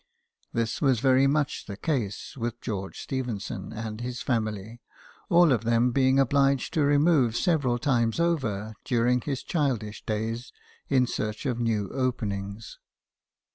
This was very much the case with George Stephenson and his family ; all of them being obliged to remove several times over during his childish days in search of new openings.